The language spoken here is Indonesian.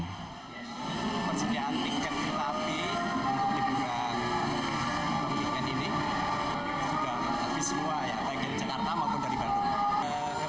persediaan tiket kereta api untuk liburan penghubungan ini sudah habis semua ya bagi jakarta maupun dari bandung